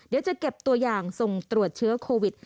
เดี๋ยวจะเก็บตัวอย่างส่งตรวจเชื้อโควิด